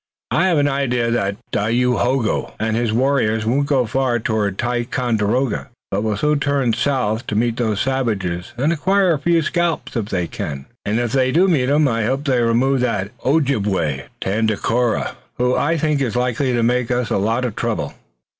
I've an idea that Dayohogo and his warriors won't go far toward Ticonderoga, but will soon turn south to meet those savages and acquire a few scalps if they can, and if they do meet 'em I hope they'll remove that Ojibway, Tandakora, who I think is likely to make us a lot of trouble."